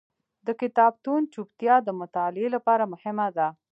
د کتابتون چوپتیا د مطالعې لپاره مهمه ده.